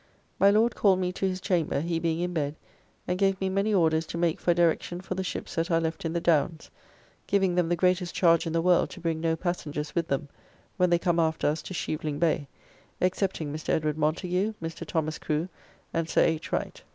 My Lord called me to his chamber, he being in bed, and gave me many orders to make for direction for the ships that are left in the Downs, giving them the greatest charge in the world to bring no passengers with them, when they come after us to Scheveling Bay, excepting Mr. Edward Montagu, Mr. Thomas Crew, and Sir H. Wright.